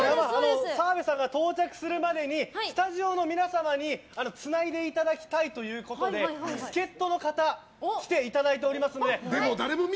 澤部さんが到着するまでにスタジオの皆様につないでいただきたいということで助っ人の方に来ていただいておりますので。